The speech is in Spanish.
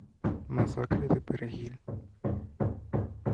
Masacre del Perejil.